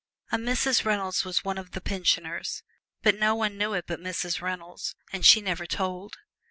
A Mrs. Reynolds was one of the pensioners, but no one knew it but Mrs. Reynolds, and she never told.